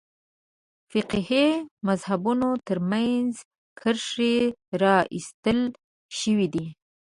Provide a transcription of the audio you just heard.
فقهي مذهبونو تر منځ کرښې راایستل شوې دي.